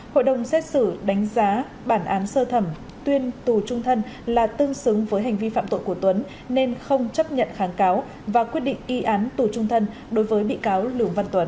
hội đồng xét xử đánh giá bản án sơ thẩm tuyên tù trung thân là tương xứng với hành vi phạm tội của tuấn nên không chấp nhận kháng cáo và quyết định y án tù trung thân đối với bị cáo lường văn tuấn